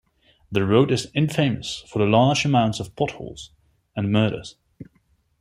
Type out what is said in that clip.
The road is infamous for the large amounts of potholes and murders.